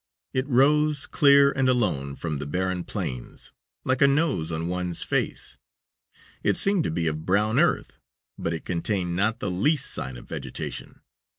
It rose, clear and alone, from the barren plains, like a nose on one's face. It seemed to be of brown earth, but it contained not the least sign of vegetation.